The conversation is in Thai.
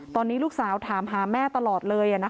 ตอนนี้ลูกสาวถามหาแม่ตลอดเลย